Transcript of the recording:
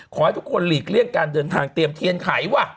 ขอให้ทุกคนหลีกเลี่ยงการเดินทางเตรียมเทียนไขว่ะ